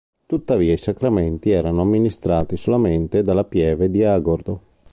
Tuttavia i sacramenti erano amministrati solamente dalla Pieve di Agordo.